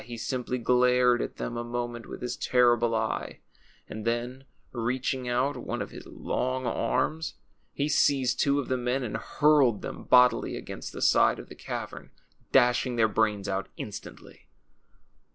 He simply glared at them a moment with his terrible eye, and then reaching out one of his long arms he seized two of the men and hurled them bodily against the side of the cavern, dashing their brains out instantly.